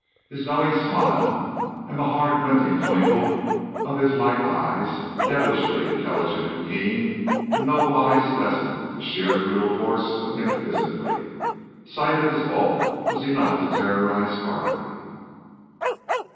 And his knowing smile, and the hard, glinting twinkle of his light eyes, devilishly intelligent and keen, in no wise lessened the sheer brutal force of him physically. Sight of his bulk was enough to terrorize Carley. "Me!